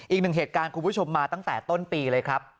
อีกหนึ่งเหตุการณ์คุณผู้ชมมาตั้งแต่ต้นปีเลยครับ